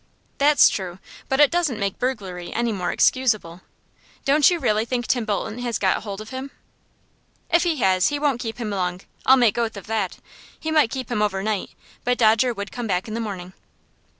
"That's true; but it doesn't make burglary any more excusable. Don't you really think Tim Bolton has got hold of him?" "If he has, he won't keep him long, I'll make oath of that. He might keep him over night, but Dodger would come back in the morning."